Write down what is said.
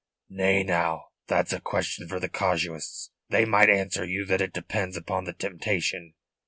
"Nay, now, that's a question for the casuists. They right answer you that it depends upon the temptation."